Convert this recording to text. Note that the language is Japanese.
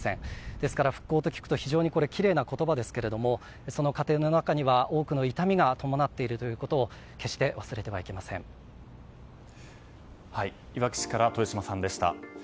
ですから復興と聞くと非常にきれいな言葉ですがその過程の中には多くの痛みが伴っていることをいわき市から豊嶋さんでした。